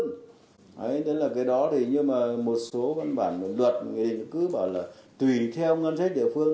thế nên là cái đó thì như một số văn bản luật cứ bảo là tùy theo ngân sách địa phương